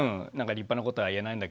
立派なことは言えないんだけど。